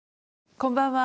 こんばんは。